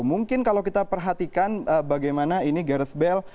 mungkin kalau kita perhatikan bagaimana ini gareth bale